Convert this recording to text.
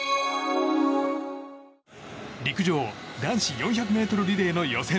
陸上男子４００ｍリレーの予選。